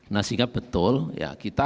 sehingga betul kita